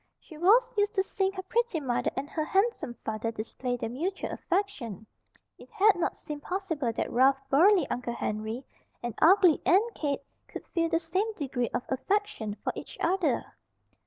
She was used to seeing her pretty mother and her handsome father display their mutual affection; it had not seemed possible that rough, burly Uncle Henry and ugly Aunt Kate could feel the same degree of affection for each other.